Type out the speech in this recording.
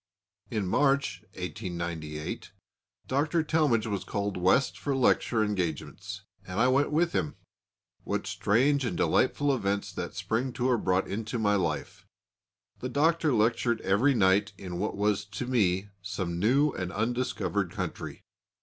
In March, 1898, Dr. Talmage was called West for lecture engagements, and I went with him. What strange and delightful events that spring tour brought into my life! The Doctor lectured every night in what was to me some new and undiscovered country.